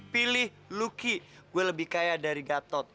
pilih luki gue lebih kaya dari gatot